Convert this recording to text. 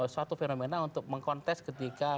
suatu fenomena untuk mengkontes ketika